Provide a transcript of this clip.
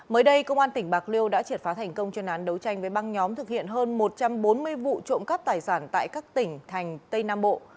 mới đây công an tỉnh bạc liêu đã triệt phá thành công chuyên án đấu tranh với băng nhóm thực hiện hơn một trăm bốn mươi vụ trộm cắp tài sản tại các tỉnh thành tây nam bộ